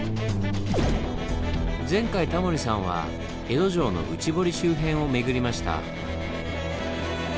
前回タモリさんは江戸城の内堀周辺を巡りました。